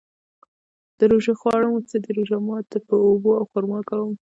د روژې خواړه مو څه ده؟ روژه ماتی په اوبو او خرما کوم